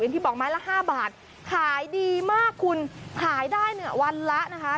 ที่บอกไม้ละ๕บาทขายดีมากคุณขายได้เนี่ยวันละนะคะ